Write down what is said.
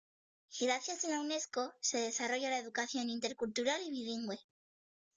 Y gracias a la Unesco, se desarrolla la educación intercultural y bilingüe.